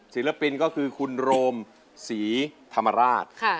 ศิลปินก็คือคุณโรมศรีธรรมราช